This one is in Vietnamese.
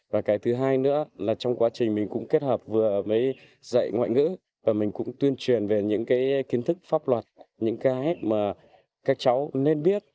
và cái thứ hai nữa là trong quá trình mình cũng kết hợp vừa mới dạy ngoại ngữ và mình cũng tuyên truyền về những cái kiến thức pháp luật những cái mà các cháu nên biết